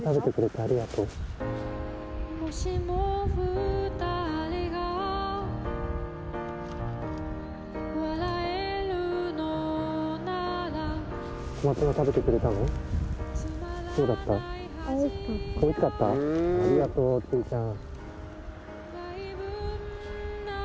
ありがとうちーちゃん。